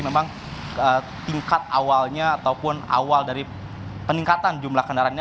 memang tingkat awalnya ataupun awal dari peningkatan jumlah kendaraan ini